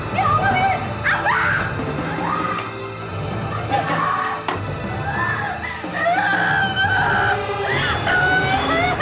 ya allah mami